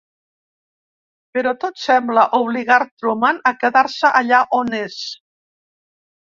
Però tot sembla obligar Truman a quedar-se allà on és.